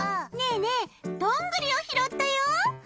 ねえねえどんぐりをひろったよ。